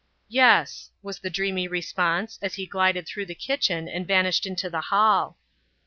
"Yes," was the dreamy response as he glided through the kitchen and vanished into the hall.